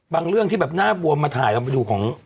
เรื่องที่แบบหน้าบวมมาถ่ายเราไปดูของ